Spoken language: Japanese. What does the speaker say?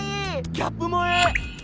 ギャップ萌え！